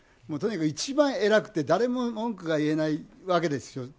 とにかく一番偉くて誰も文句が言えないわけですよ。